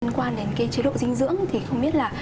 liên quan đến cái chế độ dinh dưỡng thì không biết là